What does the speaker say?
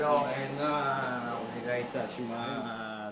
お願いいたします。